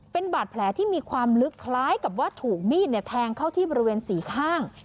เป็นบาดแผลที่มีความลึกคล้ายกับว่าถูกมีดแทงเข้าที่บริเวณสี่ข้าง